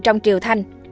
trong triều thanh